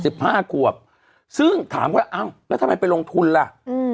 ห้าขวบซึ่งถามว่าอ้าวแล้วทำไมไปลงทุนล่ะอืม